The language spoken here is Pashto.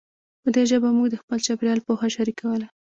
په دې ژبه موږ د خپل چاپېریال پوهه شریکوله.